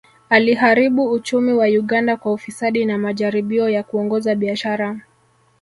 Aliharibu uchumi wa Uganda kwa ufisadi na majaribio ya kuongoza biashara